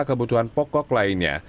kepala kebutuhan pokok lainnya